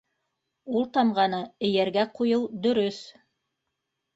Ул тамғаны эйәргә ҡуйыу - дөрөҫ.